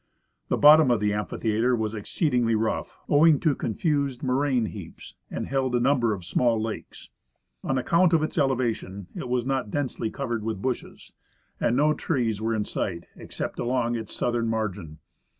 The bottom of the amphi theatre was exceedingly rough, owing to confused moraine heaps, and held a number of small lakes. On account of its elevation, it was not densely covered with bushes, and no trees were in sight except along its southern margin.